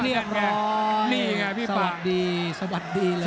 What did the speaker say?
เรียบร้อยนี่ไงพี่ป่าสวัสดีสวัสดีเลย